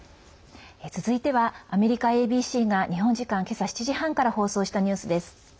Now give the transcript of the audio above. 続いてはアメリカＡＢＣが日本時間、今朝７時半から放送したニュースです。